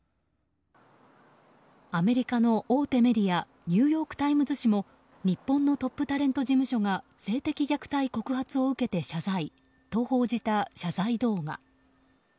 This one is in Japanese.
アメリカの大手メディアニューヨーク・タイムズ紙も日本のトップタレント事務所が性的虐待告発を受けて謝罪と報じた謝罪動画。